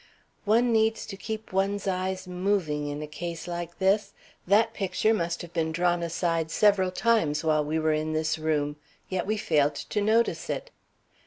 "One needs to keep one's eyes moving in a case like this. That picture must have been drawn aside several times while we were in this room. Yet we failed to notice it."